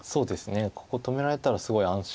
ここ止められたらすごい安心です。